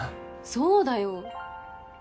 そうだよ。